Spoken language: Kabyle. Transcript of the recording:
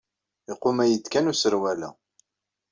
Iquma-yi-d kan userwal-a.